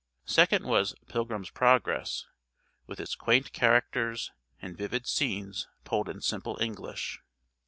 Second was "Pilgrim's Progress," with its quaint characters and vivid scenes told in simple English.